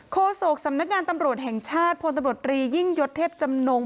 โศกสำนักงานตำรวจแห่งชาติพลตำรวจรียิ่งยศเทพจำนง